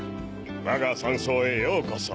わが山荘へようこそ。